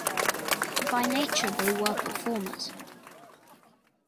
By nature they were performers.